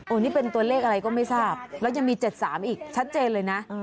นี่เป็นตัวเลขอะไรก็ไม่ทราบแล้วยังมี๗๓อีกชัดเจนเลยนะ